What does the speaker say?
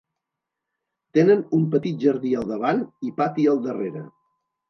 Tenen un petit jardí al davant i pati al darrere.